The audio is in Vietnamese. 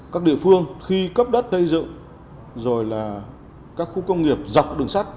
các địa phương khi cấp đất xây dựng rồi là các khu công nghiệp dọc đường sắt